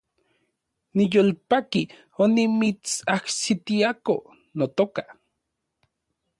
Niyolpaki onimitsajsitiako, notoka